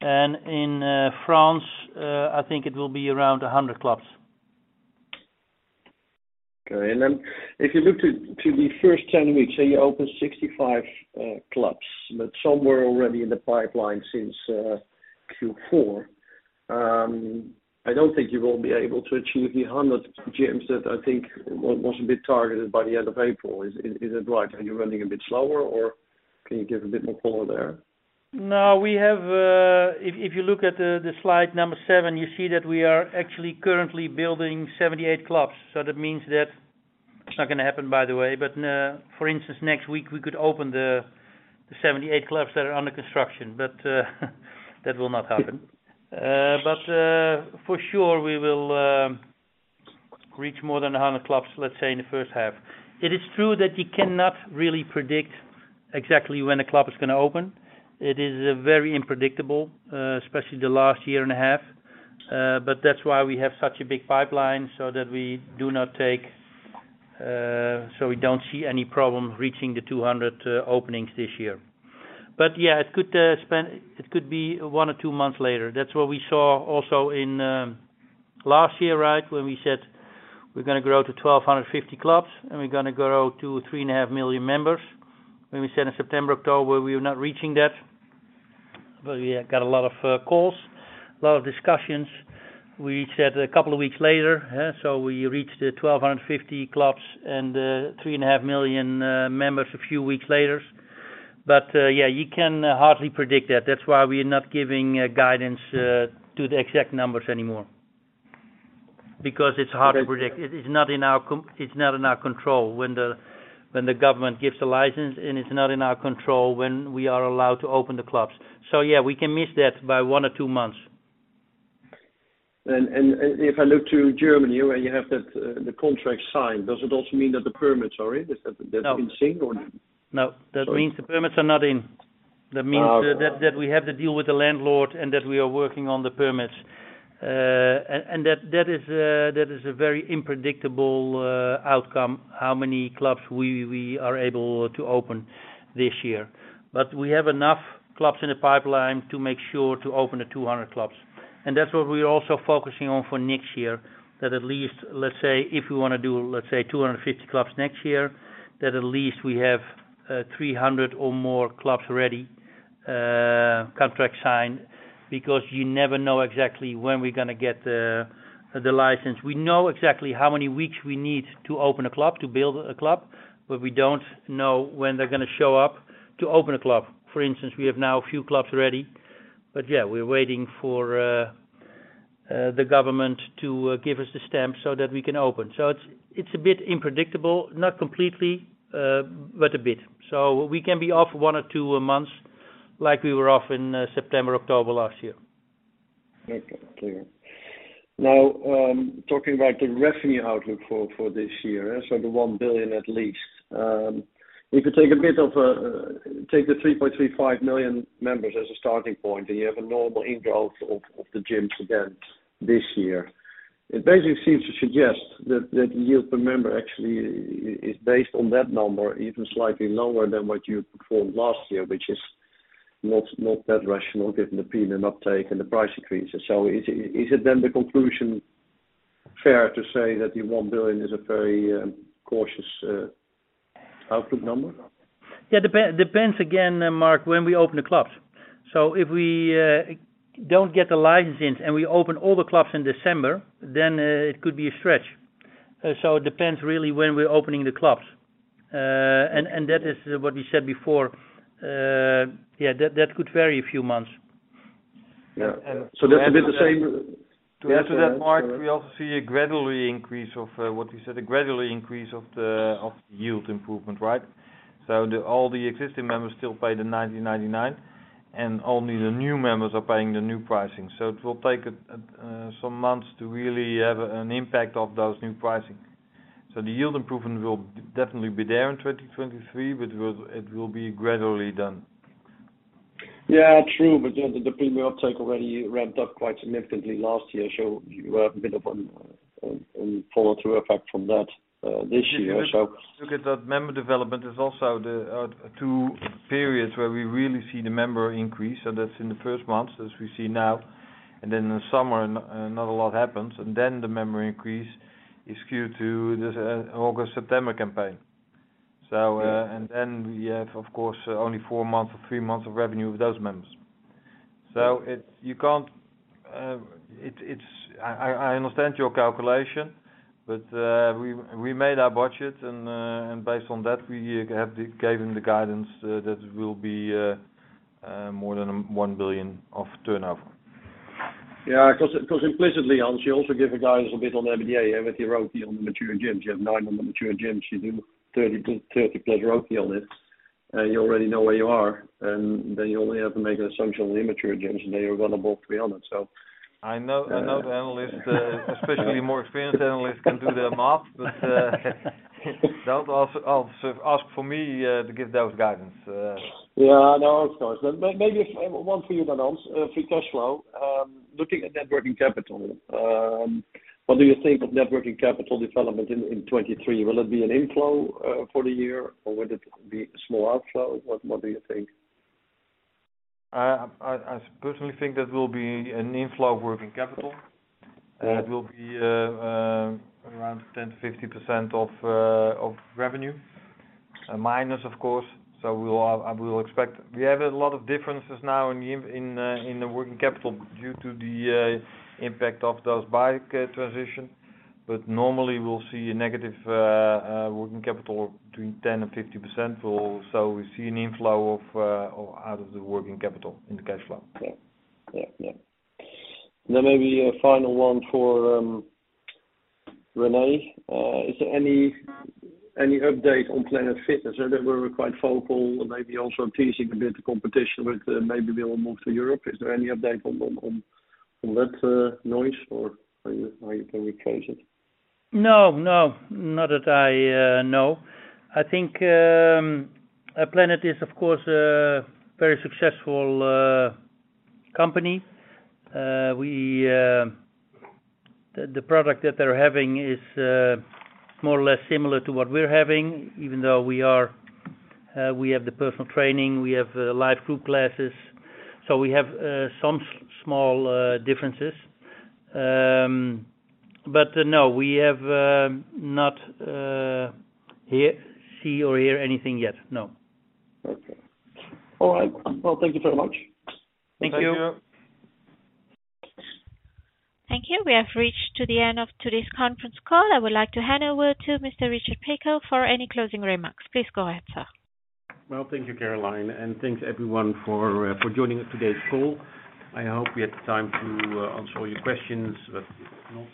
Speaker 3: In France, I think it will be around 100 clubs.
Speaker 11: Okay. Then if you look to the first 10 weeks, say you opened 65 clubs, but some were already in the pipeline since Q4. I don't think you will be able to achieve the 100 gyms that I think was a bit targeted by the end of April. Is that right? Are you running a bit slower or can you give a bit more color there?
Speaker 3: No, we have. If you look at the slide number seven, you see that we are actually currently building 78 clubs. That means that it's not gonna happen by the way, but for instance, next week we could open the 78 clubs that are under construction. That will not happen. For sure, we will reach more than 100 clubs, let's say, in the first half. It is true that you cannot really predict exactly when a club is gonna open. It is very unpredictable, especially the last year and a half. That's why we have such a big pipeline. We don't see any problem reaching the 200 openings this year. Yeah, it could be one or two months later. That's what we saw also in last year, right? When we said we're gonna grow to 1,250 clubs, and we're gonna grow to 3.5 million members. When we said in September, October, we were not reaching that. We got a lot of calls, a lot of discussions. We said a couple of weeks later, huh, we reached the 1,250 clubs and 3.5 million members a few weeks later. Yeah, you can hardly predict that. That's why we are not giving guidance to the exact numbers anymore. Because it's hard to predict. It's not in our control when the government gives a license, and it's not in our control when we are allowed to open the clubs. Yeah, we can miss that by one or two months.
Speaker 11: If I look to Germany where you have that, the contract signed, does it also mean that the permits are in? Is that's been seen or no?
Speaker 3: No. That means the permits are not in. That means that we have the deal with the landlord and that we are working on the permits. That is a very unpredictable outcome, how many clubs we are able to open this year. We have enough clubs in the pipeline to make sure to open the 200 clubs. That's what we're also focusing on for next year, that at least, let say, if we wanna do, let's say 250 clubs next year, that at least we have 300 or more clubs ready, contract signed. Because you never know exactly when we're gonna get the license. We know exactly how many weeks we need to open a club, to build a club. We don't know when they're gonna show up to open a club. For instance, we have now a few clubs ready. Yeah, we're waiting for the government to give us the stamp so that we can open. It's a bit unpredictable. Not completely, but a bit. We can be off one or two months like we were off in September, October last year.
Speaker 11: Okay. Clear. Now, talking about the revenue outlook for this year. The 1 billion at least. If you take a bit of a, take the 3.35 million members as a starting point, and you have a normal in growth of the gyms again this year. It basically seems to suggest that yield per member actually is based on that number, even slightly lower than what you performed last year, which is not that rational given the Premium uptake and the price increases. Is it then the conclusion fair to say that the 1 billion is a very cautious outlook number?
Speaker 3: Yeah. Depends again, Marc, when we open the clubs. If we don't get the license in and we open all the clubs in December, then it could be a stretch. It depends really when we're opening the clubs. That is what we said before. That could vary a few months.
Speaker 11: Yeah. That's a bit the same.
Speaker 4: To add to that, Marc, we also see a gradually increase of, what you said, a gradually increase of the yield improvement, right? The all the existing members still pay the 9.99, and only the new members are paying the new pricing. It will take some months to really have an impact of those new pricing. The yield improvement will definitely be there in 2023, but it will be gradually done.
Speaker 11: Yeah, true. The Premium uptake already ramped up quite significantly last year, you have a bit of a follow-through effect from that this year.
Speaker 4: If you look at that member development, there's also the two periods where we really see the member increase, so that's in the first months as we see now, and then in the summer not a lot happens, and then the member increase is skewed to this August, September campaign.
Speaker 11: Yeah.
Speaker 4: We have, of course, only four months or three months of revenue of those members. You can't. I understand your calculation, we made our budget and based on that, we gave him the guidance that it will be more than 1 billion of turnover.
Speaker 11: Yeah. Cause implicitly, Hans, you also give a guidance a bit on EBITDA with your ROIC on the mature gyms. You have nine on the mature gyms. You do 30 to 30+ ROIC on it, and you already know where you are, and then you only have to make assumption on the immature gyms, and then you're gonna above 300.
Speaker 4: I know, I know the analysts, especially more experienced analysts can do the math, but don't also ask for me to give those guidance.
Speaker 11: Yeah. No, of course. Maybe if one for you then, Hans. Free cash flow. Looking at net working capital, what do you think of net working capital development in 23? Will it be an inflow for the year or would it be a small outflow? What do you think?
Speaker 4: I personally think that will be an inflow of working capital.
Speaker 11: Okay.
Speaker 4: It will be around 10%-50% of revenue. A minus, of course. We have a lot of differences now in the working capital due to the impact of those bike transition. Normally, we'll see a negative working capital between 10% and 50% or so, we see an inflow out of the working capital in the cash flow.
Speaker 11: Yeah. Yeah, yeah. Maybe a final one for René. Is there any update on Planet Fitness? I know they were quite vocal, maybe also teasing a bit the competition with, maybe we'll move to Europe. Is there any update on that noise or are you pretty quiet?
Speaker 3: No, no. Not that I know. I think Planet is, of course, a very successful company. We, the product that they're having is more or less similar to what we're having, even though we are, we have the personal training, we have live group classes. We have some small differences. No, we have not hear, see or hear anything yet, no.
Speaker 11: Okay. All right. Well, thank you very much.
Speaker 4: Thank you.
Speaker 3: Thank you.
Speaker 1: Thank you. We have reached to the end of today's conference call. I would like to hand over to Mr. Richard Piekaar for any closing remarks. Please go ahead, sir.
Speaker 2: Well, thank you, Caroline, and thanks everyone for joining today's call. I hope we had the time to answer all your questions, but if not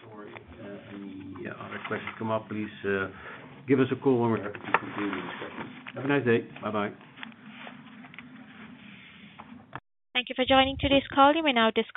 Speaker 2: or if any other questions come up, please give us a call and we're happy to continue with that. Have a nice day. Bye-bye.
Speaker 1: Thank you for joining today's call. You may now disconnect.